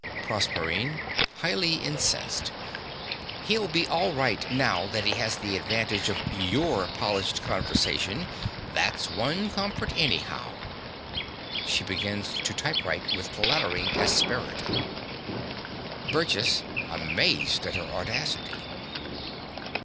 PROSERPINE (highly incensed). He'll be all right now that he has the advantage of YOUR polished conversation: that's one comfort, anyhow. (She begins to typewrite with clattering asperity.) BURGESS (amazed at her audacity).